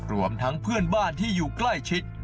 รวมทั้งเพื่อนบ้านที่อยู่ใกล้ชิด